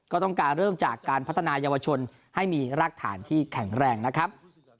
ก็ต้องการเริ่มจากการพัฒนายาวชนให้มีรากฐานที่แข็งแรงนะครับ